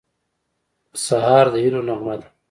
سهار د هیلو نغمه ده.